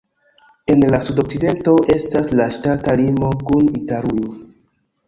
En la sudokcidento estas la ŝtata limo kun Italujo.